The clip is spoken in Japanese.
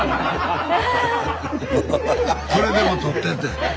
これでも撮ってって。